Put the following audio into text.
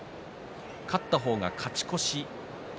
勝った方が勝ち越しです。